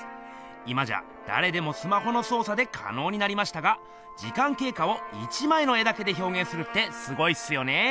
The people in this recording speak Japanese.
今じゃだれでもスマホのそう作でかのうになりましたが時間けいかを１まいの絵だけでひょうげんするってすごいっすよね！